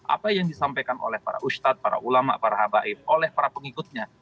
apa yang disampaikan oleh para ustadz para ulama para habaib oleh para pengikutnya